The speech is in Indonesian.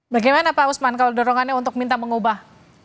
bagaimana pak usman kalau dorongannya untuk minta mengubah